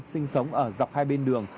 sinh sống ở dọc hai bên đường